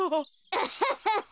アハハハ！